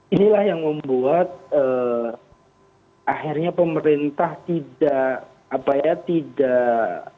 inilah yang membuat akhirnya pemerintah tidak apa ya tidak